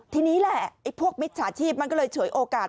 ทีนี้แหละไอ้พวกมิจฉาชีพมันก็เลยเฉยโอกาส